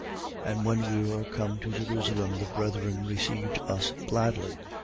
21:17. And when we were come to Jerusalem, the brethren received us gladly.